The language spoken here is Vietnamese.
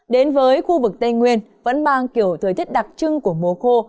đến với khu vực tây nguyên vẫn mang kiểu thời tiết đặc trưng của mùa khô